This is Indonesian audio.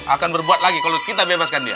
akan berbuat lagi kalau kita bebaskan dia